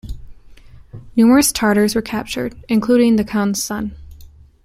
Numerous Tatars were captured, including the Khan's son.